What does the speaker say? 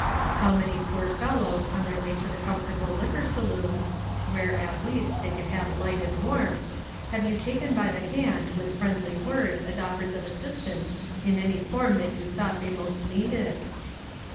How many poor fellows on their way to the comfortable liquor saloons, where, at least, they can have light arid warmth, have you taken by the hand with friendly words and offers of assistance in any form that you thought they most needed